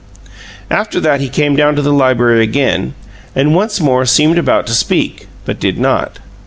After that he came down to the library again and once more seemed about to speak, but did not.